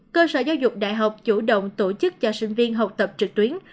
cơ sở giáo dục đại học chủ động tổ chức cho sinh viên học tập trực tuyến